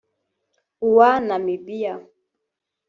uwa Namibia